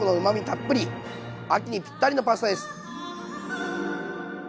たっぷり秋にぴったりのパスタです。